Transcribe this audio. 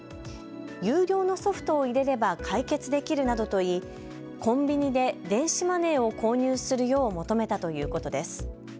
有料のソフトを入れれば解決できるなどと言いコンビニで電子マネーを購入するよう求めたということです。